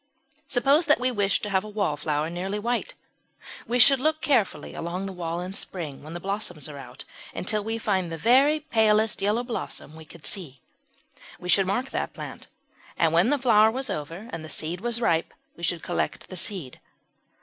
Suppose that we wished to have a Wallflower nearly white. We should look carefully along the wall in spring, when the blossoms are out, until we found the very palest yellow blossom we could see. We should mark that plant, and when the flower was over and the seed was ripe, we should collect the seed.